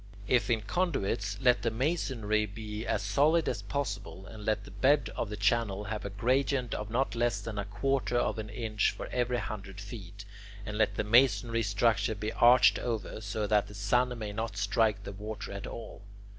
If in conduits, let the masonry be as solid as possible, and let the bed of the channel have a gradient of not less than a quarter of an inch for every hundred feet, and let the masonry structure be arched over, so that the sun may not strike the water at all.